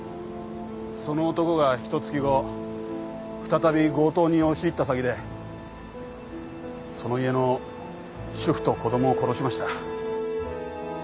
その男がひとつき後再び強盗に押し入った先でその家の主婦と子供を殺しました。